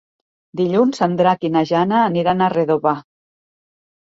Dilluns en Drac i na Jana aniran a Redovà.